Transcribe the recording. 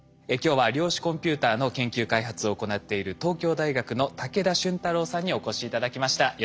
今日は量子コンピューターの研究開発を行っている東京大学の武田俊太郎さんにお越し頂きました。